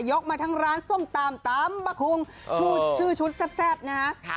กมาทั้งร้านส้มตำตำบะคุงชื่อชุดแซ่บนะฮะ